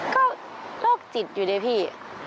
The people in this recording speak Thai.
ก็โรคจิตอยู่เลยพี่